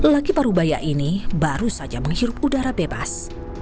lagi paruh bayak ini baru saja menghirup udara bebas